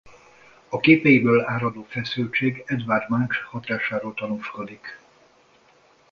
A képeiből áradó feszültség Edvard Munch hatásáról tanúskodik.